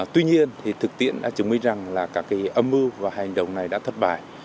tuy nhiên thực tiễn đã chứng minh rằng là các âm mưu và hành động này đã thất bại